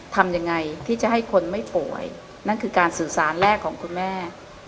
ทำยังไงที่จะให้คนไม่ป่วยนั่นคือการสื่อสารแรกของคุณแม่